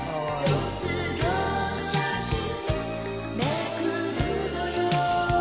「卒業写真めくるのよ」